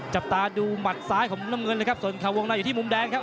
จับตาดูหมัดซ้ายของมุมน้ำเงินนะครับส่วนข่าววงในอยู่ที่มุมแดงครับ